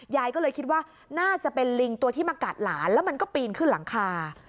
ยายก็เลยคิดว่าน่าจะเป็นลิงตัวที่มากัดหลานแล้วมันก็ปีนขึ้นหลังคา